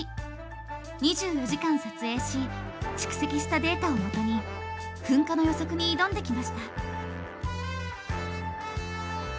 ２４時間撮影し蓄積したデータをもとに噴火の予測に挑んできました。